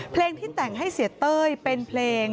เพลงที่แต่งให้เสียเต้ยเป็นเพลง